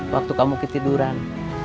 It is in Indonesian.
waktu kamu ketiduran